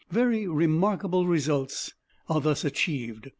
Very remarkable results are thus achieved.